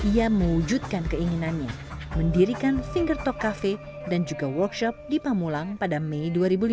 ia mewujudkan keinginannya mendirikan finger talk cafe dan juga workshop di pamulang pada mei dua ribu lima belas